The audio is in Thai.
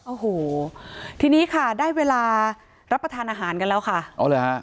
โอ้โหทีนี้ค่ะได้เวลารับประทานอาหารกันแล้วค่ะอ๋อเลยฮะ